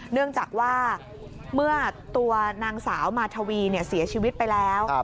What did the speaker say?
เนื่องจากว่าเมื่อตัวนางสาวมาทวีเสียชีวิตไปแล้ว